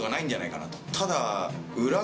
ただ。